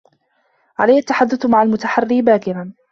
عليّ التّحدّث مع المتحرّي باكر.